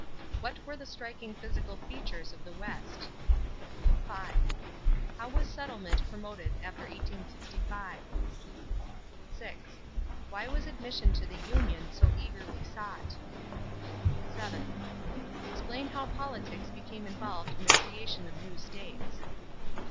What were the striking physical features of the West? 5. How was settlement promoted after 1865? 6. Why was admission to the union so eagerly sought? 7. Explain how politics became involved in the creation of new states.